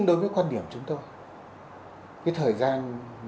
thì tăng hơn